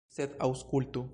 Sed aŭskultu!